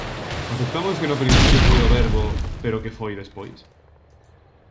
Aceptamos que no principio foi o verbo, pero que foi despois?